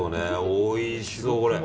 おいしそう、これ。